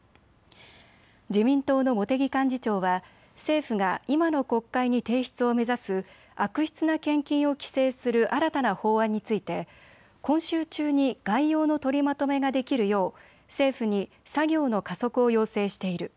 自民党の茂木幹事長は政府が今の国会に提出を目指す悪質な献金を規制する新たな法案について今週中に概要の取りまとめができるよう政府に作業の加速を要請している。